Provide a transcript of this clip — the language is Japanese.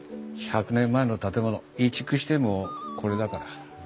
１００年前の建物移築してもこれだから。